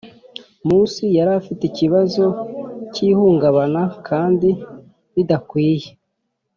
Munsi yari afite ikibazo cy ihungabana kandi bidakwiye